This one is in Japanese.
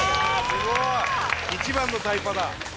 すごい！一番のタイパだ。